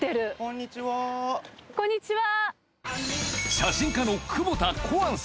こんにちは。